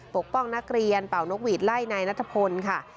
ปกป้องนักเรียนเป่านกหวีดไล่นายนัทพลค่ะ